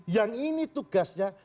yang ini tugasnya